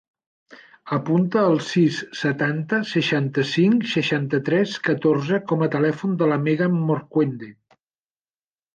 Apunta el sis, setanta, seixanta-cinc, seixanta-tres, catorze com a telèfon de la Megan Morcuende.